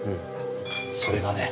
それがね